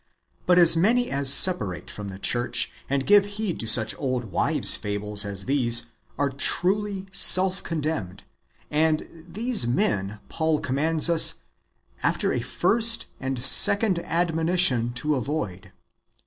But as many as separate from the church, and give heed to such old wives' fables as these, are truly self condemned ; and these men Paul commands us, " after a first and second admonition, to avoid."